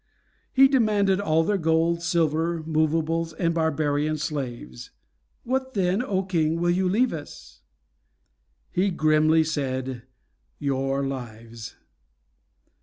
He demanded all their gold, silver, movables, and barbarian slaves. "What then, O King, will you leave us?" He grimly said, "Your lives."